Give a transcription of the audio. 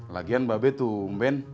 lagian ba be tumben